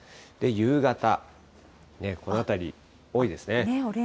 夕方、この辺り、多いですね。